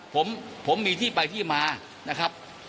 ผมมีที่ไปที่มานะครับ